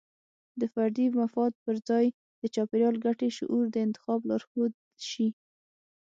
د فردي مفاد پر ځای د چاپیریال ګټې شعور د انتخاب لارښود شي.